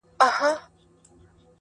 زما په خيال هري انجلۍ ته گوره.